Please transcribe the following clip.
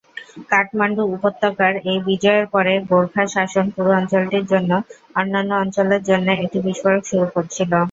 কাঠমান্ডু উপত্যকার এই বিজয়ের পরে গোর্খা শাসন পুরো অঞ্চলটির জন্য অন্যান্য অঞ্চলের জন্য একটি বিস্ফোরক শুরু করেছিল।